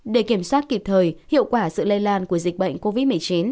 để kiểm soát kịp thời hiệu quả sự lây lan của dịch bệnh covid một mươi chín